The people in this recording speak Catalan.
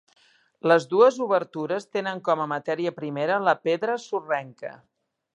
Les dues obertures tenen com a matèria primera la pedra sorrenca.